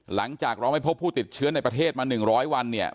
หลังจากเราไม่พบผู้ติดเชื้อในประเทศมา๑๐๐วันเนี่ย